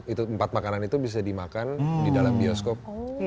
itu empat makanan itu bisa dimakan di dalam bioskop